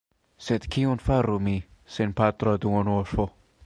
Sed kion faru mi, senpatra duonorfo?